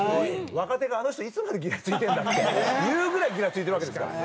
若手が「あの人いつまでギラついてんだ？」って言うぐらいギラついてるわけですから。